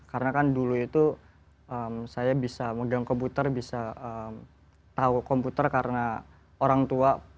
karena kan dulu itu saya bisa megang komputer bisa tahu komputer karena orang tua